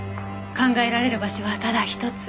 考えられる場所はただ一つ。